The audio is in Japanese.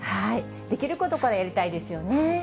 できることからやりたいですよね。